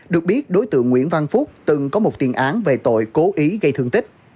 được biết đối tượng nguyễn văn phúc từng có một tiền án về tội cố ý gây thương tích